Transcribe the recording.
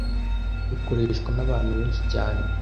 Ikoreshwa nabantu benshi cyane.